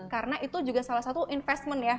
karena itu juga salah satu investment ya